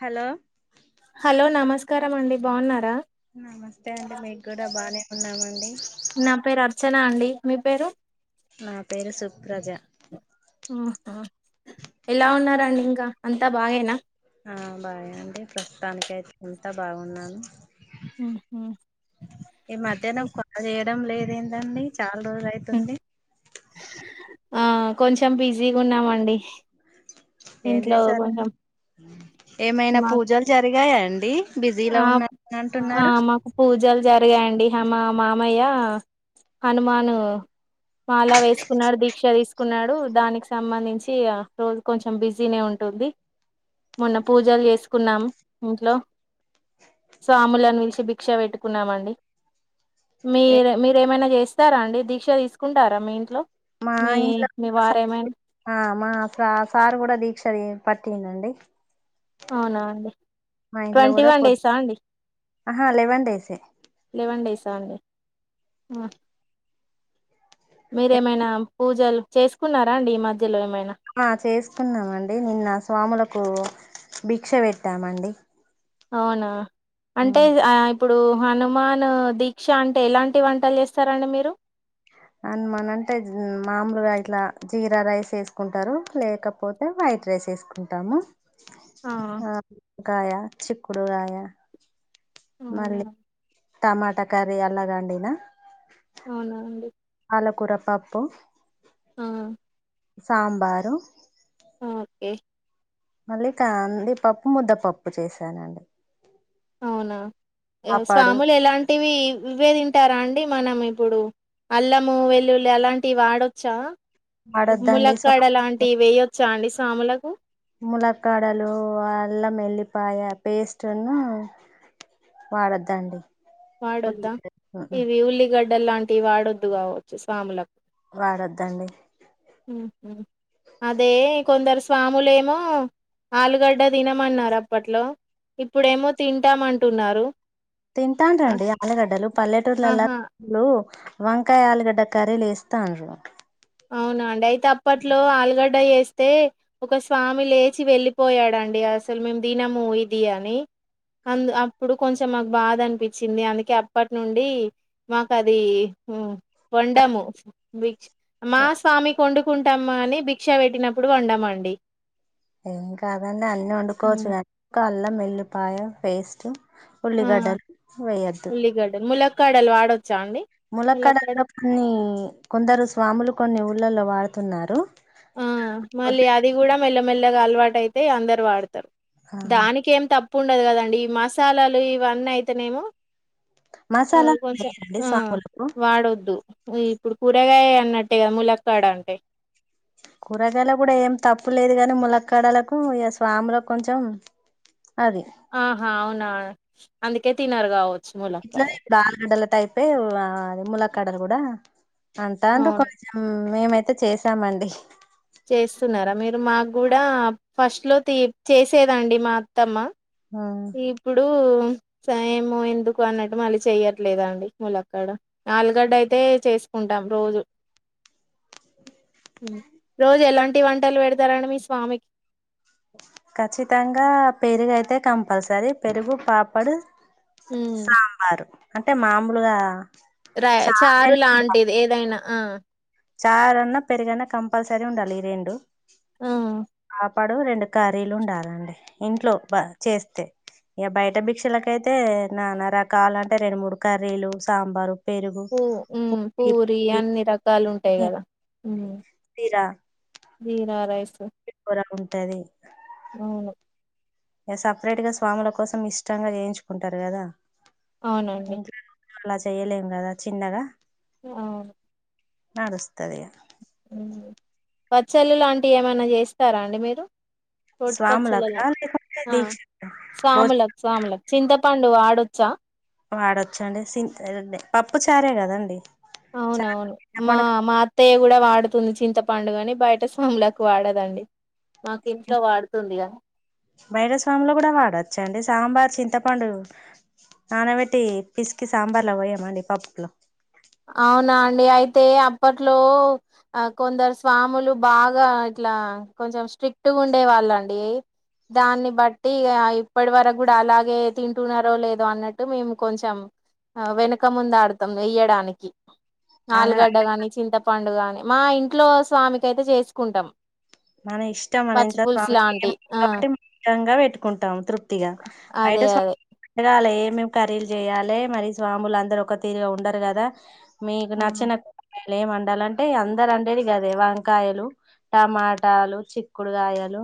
Hello hello నమస్కారం అండి బాగున్నారా నమస్తే అండి మీకు కూడా బానే ఉన్నామండి నా పేరు అర్చన అండి మీ పేరు నా పేరు సుప్రజ ఆహా ఎలా ఉన్నారండి ఇంకా అంతా బాగాేనా ఆ బాగాండి ప్రస్తుతానినికి అయితే అంత బాగున్నాను ఏ మాధ్యన ఇడం లేద ఏంటండి చాలా రోజులు అయితుంది ఆ కొంచెం బిజీగా ఉన్నామండి ఏం ఇంట్లో చేసారడి కొంచెం ఏమైనా మా పూజలు జరిగాయా అండి బిజీలో ఆ ఉన్నారని ఆ అంటున్నారు మాకు పూజలు జరిగాయండి మా మామయ్య హనుమాను మాలా వేసుకున్నాడు దీక్ష తీసుకున్నాడు దానికి సంబంధించి రోజు కొంచెం బిజీనే ఉంటుంది మొన్న పూజలు చేసుకున్నాం ఇంట్లో సాములను విలిచి భిక్షా పెట్టుకున్నామండి మీరు మీరేమైనా చేసి ఇస్తారా అండి దీక్ష తీసుకుంటారా మీ ఇంట్లో మా మీ మీ వారేమం స సార్ కూడా దీక్ష పట్టిందండి అవునా అండి ట్వంటీ కూడా వన్ పొద్దు డేసా అండి ఆహా లెవెన్ డేసే లెవెన్ డేసా అండి మేరే మనా పూజలు చేసుకున్నారా అండి ఈ మధ్యలో ఏమైనా ఆ చేసుకున్నామండి నిన్న స్వాములకు భిక్ష పెట్టామండి అవునా అంటే ఇగ ఆ ఇప్పుడు హనుమాన్ దీక్ష అంటే ఎలాంటి వంటలు చేస్తారండి మీరు అండ్ మన అంటే మామలుగా ఇట్లా జీరా రైస్ వేసుకుంటారు లేకపోతే వైట్ రైస్ వేసుకుంటాము ఆ వంకాయ చిక్కుడు గాయా అవునా మళ్లీ టమాటా కర్రీ అలాగండినా అవునా అండి పాలకూర పప్పు ఆ సాంబారు ఓకే మళ్ళీ కంది పప్పు ముద్ద పప్పు చేశానండి అవునా పాపాడు స్వాములు ఎలాంటివి ఇవే తింటారా అండి అండి మనం ఇప్పుడు అల్లము వెల్లుల్లి అలాంటివి వాడొచ్చా వాడొద్దండి ములక్కాడ స్వాములకు లాంటివి వేయొచ్చా అండి సాములకు ములక్కాడలు అల్లం వెల్లి ఉల్లి పాయ పేస్టును వాడొద్దండి వాడొద్దా ఉల్లిగడ్డ ఇవి ఉల్లిగా వడ్డ లాంటి వాడొద్దు కావచ్చు స్వాములకు వాడొద్దండి హు అదే కొందరు స్వా స్వాములేమో ఆలుగడ్డ తినమన్నారు అప్పట్లో ఇప్పుడేమో తింటామంటున్నారు తి ఆ- తింటారండీ ఆలుగడ్డలు పల్లెటూర్లలో ఆహా అసలు వంకాయ ఆలుగడ్డ కర్రీలు వేస్తారు అవును అండి అయితే తాప్పట్లో ఆలుగడ్ వంట చేస్తే ఒక స్వామి లేచి వెళ్ళిపోయాడండి అసలు మేము తినము ఇది అని అందు అప్పుడు కొంచెం మాకు బాధ అనిపించింది అందుకే అప్పటి నుండి మాకు అది హు వండము బిక్ష మా స్వామి కి వండుకుంటాము అని భిక్షా పెట్టినప్పుడు వంండమండి ఇంకా అవి అన్న అన్ని వండుకోవచ్చు హ్మ్. గా [inaudible] కో అల్లం ఎల్లిపాయ పేస్ట్ ఆ ఉల్లిగడ్డలు వెయ్యొద్దు క్కడల్ వాడొద్దు ములక్కడ [unintelligible] కొన్ని కొందరు స్వాములు కొన్ని లలో వాడుతున్నారు ఆ మళ్ళీ అది కూడా మెల్లమెల్లగా అలవాటు టఅయితే అందరు వాడతారు దానికేం తప్ కుండదు కదండి ఈ మసాలాలు ఇవన్నీ అయితేనేమో మ్మ్ మసాలా కొంచెం వేయండి ఆ స్వాములకు వాడొద్దు ఈ ఇప్పుడు కూరగాయ అన్నట్టే కదా ములక్కడ అంటే కూరగాయల కూడా ఏం తప్పు లేదు గాని ములక్కడలకు ఇ స్వాములకు కొంచెం అది ఆహా అవునా అందుకే తినరుగావు ఇట్లనే దాలు గడ్డల తయిపే అది ములక్కడలు కూడా అంతా అంత అవును కొం మ్మ్ మేమైతే చేసామండి చేస్తున్నారా మీరు మాకూడా ఫస్ట్ లో తీ చేసేదండి మా అత్తమ్మ ఇప్పుడు సేము ఎందుకు అన్నట్టు మళ్ళీ చెయ్యట్లేదు అండి ముళక్కడ ఆలుగడ్డ అయితే చేసుకుంటాం రోజు రోజు ఎలాంటి వంటలు పెడతారండి మీ స్వామికి ఖచ్చితంగా పెరుగు అయితే కంపల్సరీ పెరుగు పాపడు ఉమ్. సాంబారు అంటే మామూలుగా రై చారు లాంటిది ఏదైనా ఆ చారూన్నా పెరుగన్న కంపల్సరీ ఉండాలి ఈ రెండు ఆ, పడు రెండు కర్రీలు ఉండాలండి ఇంట్లో చేస్తే ఇక బయట భిక్షలకయితే నానా రకాల అంటే రెండు మూడు కర్రీలు సాంబారు పెరుగు పూ మ్మ్ పుట్టి పూరి పుట్టి అన్ని రకాలు ఉంటాయి కదా చీరా జీరా రైస్ [unintelligible] ఉంటది అవును సపరేట్ గా స్వాముల కోసం ఇష్టంగా చేయించుకుంటారు కదా అవునండి. ఇంట్లో అలా చేయలేం కదా చిన్నగా అవును నడుస్తాదిగా హ్మ్ పచ్చళ్ళు లాంటివి ఏమైనా చేస్తారా అండి మీరు రోటిపచ్చలన స్వాములకా లేకుంటే ఆ దీక్ష భోజ సాములకు స్వాములకు చింత పండ్ ప్పండు వాడొచ్చా వాడొచ్చి అండి సి పప్పు చారే కదండి, చారు అవునవును మా చింతపండు మా అత్తయ్య కూడా వాడుతుంది, చింత పండుగని బయట స్వాములకు వాడదండి. మాకు ఇంట్లో వాడుతుంది. గా బైట స్వామిలో కూడా వాడచ్చా అండి సాంబార్ చింతపండు నానబెట్టి పిసికి సాంబార్లు అ పోయయామండి పప్పుకు అవునా అండి అయితే అప్పట్లో కొందరు స్వాములు బాగా ఇట్లా కొంచెం స్ట్రిక్ట్గా ఉండే వాళ్ళండి, దాన్ని బట్టి ఇప్పటి వరకు కూడా అలాగే తింటున్నారో లేదో అన్నట్టు మేము కొంచెం వెనక ముంద ఆడుతాం వెయ్యడానికి, ఈ అలా ఆలుగడ్డ గాని, చింతపండు గాని మా ఇంట్లో స్వామికి అయితే చేసుకుంటాం. మన ఇష్టం మన పచ్చి ఇంట్లో పులుసు స్వామి లాంటి ఆ కాబట్టి మంచి గా పెట్టుకుంటాము, తృప్తిగా బయట అదే అదే స్వామికి పెట్టగల మేము కర్రీలు చేయాలే మరి స్వాములు అందరూ ఒక తీరుగా ఉండరు కదా, మీకు ఆ నచ్చినట్టు ఏం వండాలంటే అందరు వండేది కదే వంకాయలు, టమాట వంకాయలు, చిక్కుడుకాయలు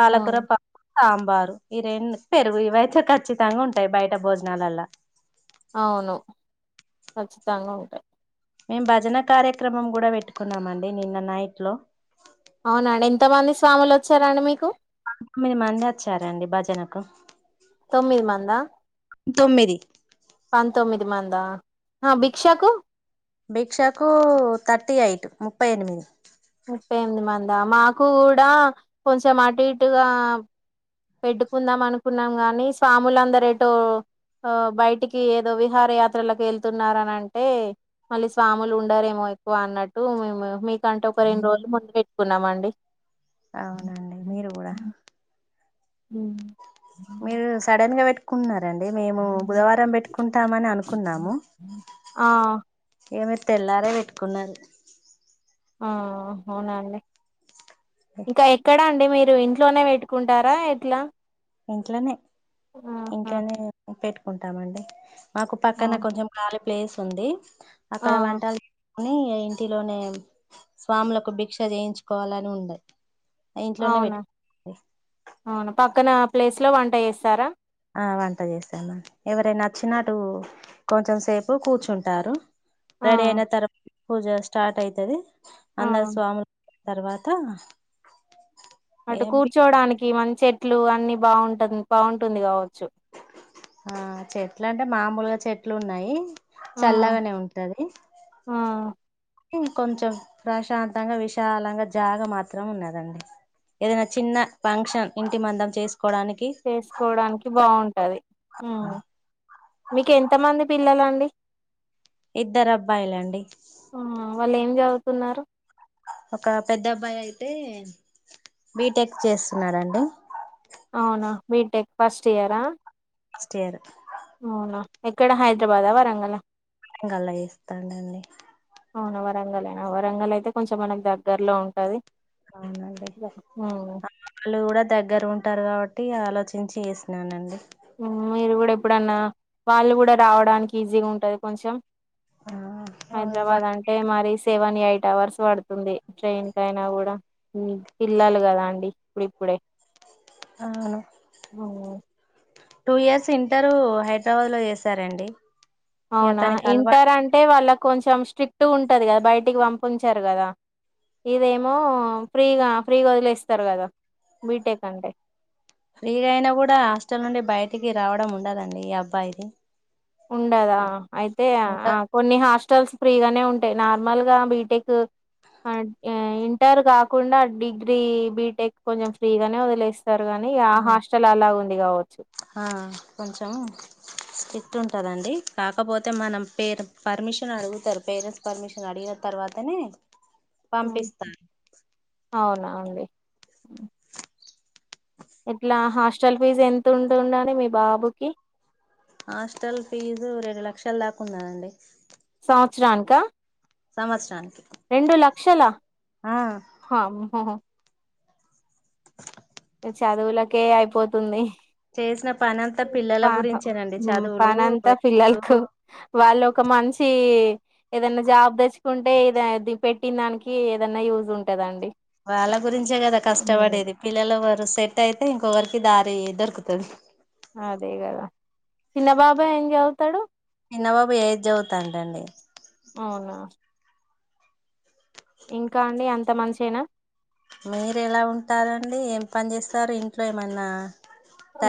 ఆ పప్పు సాంబారు ఈ రెండు పెరుగు ఇవయితే ఖచ్చితంగా ఉంటాయి, బయట భోజనాలల్లా అవును ఖచ్చితంగా ఉంటాయి. మేము భజన కార్యక్రమం కూడా పెట్టుకున్నామండి, నిన్న నైట్ లో అవునండి ఎంతమంది స్వాములు వచ్చారండి, మీకు తోమ్మిది మంది వచ్చారండి, భజనకు తొమ్మిది మందా తొమ్మిది పంతొమ్మిది. మందా ఆ భిక్షకు భిక్ష కు థర్టీ ఎయిట్ ముప్పై ఎనిమిది ముప్పై ఎనిమిది మందా మాకు కూడా కొంచెం అటు ఇటుగా, పెట్టుకుందాం అనుకున్నాం ని స్వాములుందర ఏటో బయటికి ఏదో విహారయాత్రలకు వెళ్తున్నారని, అంటే మళ్ళీ స్వాములు ఉండరేమో ఎక్కువ అన్నట్టు మేము మీకంటే ఒక రెండు రోజులు ముందు పెట్టుకున్నాము అండి, అవునండి మీరు కూడా మీరు సడన్గా పేట్ ఉన్నా డి మేము బుధవారం పెట్టుకుంటామని అనుకున్నాము. ఆ ఏ తెల్లారే పెట్టుకున్నారు. ఆ అవునాండి ఇంకా ఎక్కడా అండి మీరు మీరు ఇంట్లోనే పెట్టుకుంటారా, ఎట్లా ఇంట్లోనే ఆహా ఇంట్లోనే పెట్టు పెట్టుకుంటామండీ, మాకు పక్కన అవును కొంచెం కాలి ప్లేస్ ఉంది ఆ అక్కడ వంటలు కాని ఇంటిలోనే స్వాములకు భిక్ష చేయించుకోవాలని ఉండే ఇంట్లోనే అవునా పెట్టుకు అవునా ప పక్కన ప్లేస్ లో వంట చేస్తారా ఆ వంట చేసా మ ఎవరైనా నచ్చినటు కొంచెం సేపు కూర్చుంటారు ఆ రెడీ అయినా తర పూజ స్టార్ట్ అయితది ఆ అందరూ స్వాములు తర్వాత అటు ఏం కూర్చోవడానికి మంచి చె ఇట్లు అన్ని బాగుంట బాగుంటుంది కావచ్చు ఆ చెట్లు అంటే మామూలుగా చెట్లు ఉన్నాయి ఆ చల్లగానే ఉంటది ఆ ం కొంచెం ప్రశాంతంగా విశాలంగా జాగ మాత్రం ఉన్నదండి ఏదైనా చిన్న ఫంక్షన్ ఇంటి మందం చేసుకు చేసుకోడానికి బాగుంటది మీక ఎంత మంది పిల్లలు అంటే డీ ఇద్దరు అబ్బాయిలండి ఆ వాళ్ళు ఏం చదువుతున్నారు ఒక పెద్ద అబ్బాయి అయితే బిటెక్ చేస్తున్నారంండి అవునా బీటెక్ ఫస్ట్ ఇయరా ఫస్ట్ ఇయర్ అవునా ఎక్కడ హైదరాబాదా వరంగల్ ఆ ఇం గలా ఇస్తానండి అవునా వరంగలనా వరంగల్ అయితే కొంచెం మనకు దగ్గరలో ఉంటది అవునండి ఉమ్. వాళ్లుు కూడా దగ్గర ఉంట అంటారు కాబట్టి ఆలోచించి చేసినానండి మీరు కూడా ఎప్పుడన్న వాళ్ళు కూడా రావడానికి ఈజీగా ఉంటది కొంచెం ఆ ఆ, హైదరాబాద్ వా- అంటే మరి సెవెన్ ఎయిట్ అవర్స్ పడుతుంది ట్రైన్ కయినా కూడా పిల్లలు కదా అండి ఇప్పుప్పుడే ఆ అవున టూ ఇయర్స్ ఇంటర్ హైదరాబాద్ లో చేసారంండి అవునా ఇంటర్ అంటే వాళ్ళ కొంచెం స్ట్రిక్ట్ ఉంటుంది కదా బయటికి పంపించారు కదా ఇదేమో ఫ్రీగా ఫ్రీగా వదిలేస్తారు కదా బీటెక్ అంటే ఫ్రీగా అయినా కూడా హాస్టల్ నుండి బయటికి రావడం ఉండదండి అబ్బాయిది ఉండదా అయితే ఆ ఉండదు కొన్ని హాస్టల్స్ ఫ్రీగానే ఉంటాయి నార్మల్గా బీటెక్ ఇంటర్ కాకుండా డిగ్రీ బీటెక్ కొంచెం ఫ్రీగానే వదిలేస్త సారు కాని ఆ హాస్టల్ అలా ఉంది కావచ్చు ఆ, కొంచెం స్ట్రిక్ట్ ఉంటదండి కాకపోతే మనం పేరు పర్మిషన్ అడుగుతారు పేరెంట్స్ పర్మిషన్ అడిగిన తర్వాతనే ఉమ్. పంపిస్తారు అవునా అండి ఉ ఇట్లా హాస్టల్ ఫీజు ఎంత ఉంటుంది అండి మీ బాబుకి హాస్టల్ ఫీజు రెండు లక్షల దాకా ఉన్నదండి సంవత్సరానిక సంవత్సరానికి రెండు లక్షల ఆ హమ్మో చదువులకే అయిపోతుంది చేసిన పని అంతా పిల్లల పా గురించేనండి ఉ చదువులు పని అంత ఎప్పుడు ఫిల్లలకు వాళ్లు ఒక మంచి ఏదైనా జాబ్ తెచ్చుకుంటే ఇది పెట్టిన దానికి ఏదనా యూజ్ ఉంటాదండి వాళ్ళ గురించే కదా కష్టపడేది పిల్లల వరు సెట్ అయితే ఇంకొకరికి దారి దొరుకుతది అదే కదా చిన్నబాబా ఏం చదువుతాడు చిన్నబాబు ఏ చదువుతాంటండి అవునా ఇంకా అండి ఎంత మంచేనా మీరు ఎలా ఉంటారండి ఏం పని చేస్తారు ఇంట్లో ఏమన్న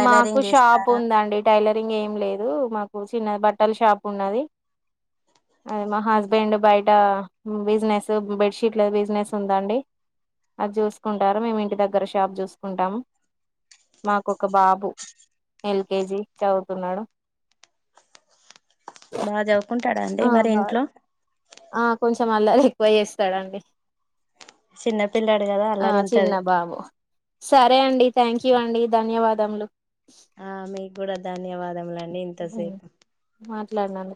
మాకు షాప్ ఉందండి టైలరింగ్ ఏం లేదు మాకు స్ చిన్నది బట్టల షాప్ ఉన్నది అది మా హస్బెండ్ బయట బిజినెస్ బెడ్ షీట్ల బిజినెస్ ఉందండి అది చూసుకుంటారు మేము ఇంటి దగ్గర షాప్ చూసుకుంటాము మాకు ఒక బాబు ఎల్కేజీ చదువుతున్నాడు బాగా చవుకుంటాడాండి ఆ మరి బాయ్ ఇంట్లో కొంచెం అల్లరి ఎక్కువ చేస్తాడు అండి చిన్నపిల్లాడు కదా ఆ అల్లరి చిన్న ఉంటది బాబు సరే అండి థంక్ యూ అండి ధన్యవాదములు ఆ మీకు కూడా ధన్యవాదములండి ఇంతసేపు లార్నన్